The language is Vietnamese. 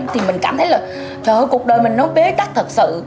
thì mình cảm thấy là cuộc đời mình nó bế tắc thật sự